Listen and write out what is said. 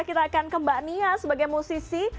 kita akan ke mbak nia sebagai musisi